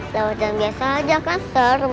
lewat jalan biasa aja kan serem